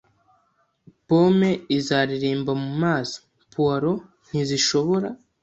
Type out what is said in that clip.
Pome izareremba mumazi, puwaro ntishobora.